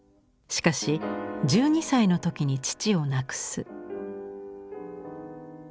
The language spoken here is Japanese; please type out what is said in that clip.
しかし１２歳の時に父を亡くす。